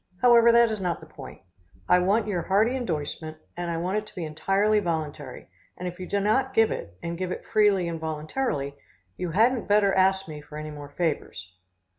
However, that is not the point. I want your hearty indorsement and I want it to be entirely voluntary, and if you do not give it, and give it freely and voluntarily, you hadn't better ask me for any more favors.